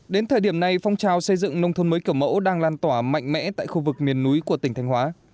đến thời điểm này phong trào xây dựng nông thôn mới kiểu mẫu đang lan tỏa mạnh mẽ tại khu vực miền núi của tỉnh thanh hóa